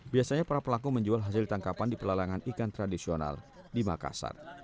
biasanya para pelaku menjual hasil tangkapan di pelalangan ikan tradisional di makassar